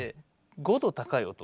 ５度高い音。